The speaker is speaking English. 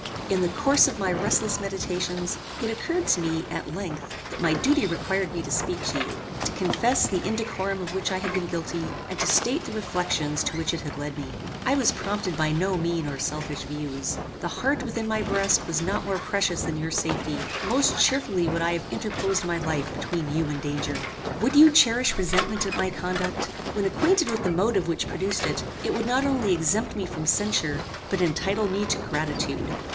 "In the course of my restless meditations, it occurred to me, at length, that my duty required me to speak to you, to confess the indecorum of which I had been guilty, and to state the reflections to which it had led me. I was prompted by no mean or selfish views. The heart within my breast was not more precious than your safety: most cheerfully would I have interposed my life between you and danger. Would you cherish resentment at my conduct? When acquainted with the motive which produced it, it would not only exempt me from censure, but entitle me to gratitude.